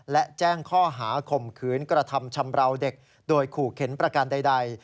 และแจ้งข้อหาข่มขืนกระทำชำราวเด็กโดยขู่เข็นประการใด